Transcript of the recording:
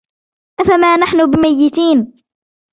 أفما نحن بميتين